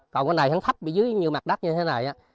còn cái này hắn thấp dưới như mặt đất như thế này